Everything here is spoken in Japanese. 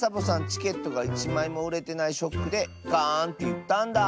チケットがいちまいもうれてないショックでガーンっていったんだ。